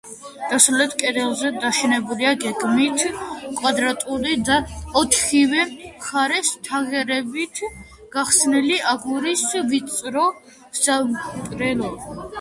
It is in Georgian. დასავლეთ კედელზე დაშენებულია გეგმით კვადრატული და ოთხივე მხარეს თაღებით გახსნილი აგურის ვიწრო სამრეკლო.